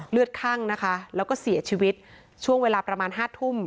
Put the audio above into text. คั่งนะคะแล้วก็เสียชีวิตช่วงเวลาประมาณห้าทุ่ม